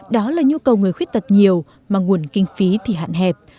đó là nhu cầu người khuyết tật nhiều mà nguồn kinh phí thì hạn hẹp